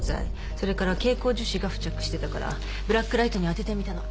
それから蛍光樹脂が付着してたからブラックライトに当ててみたの。